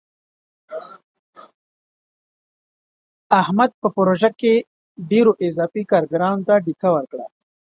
احمد په پروژه کې ډېرو اضافي کارګرانو ته ډیکه ورکړله.